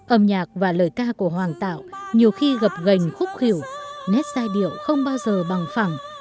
âm nhạc và lời ca của hoàng tẹo nhiều khi gập gành khúc hiểu nét giai điệu không bao giờ bằng phẳng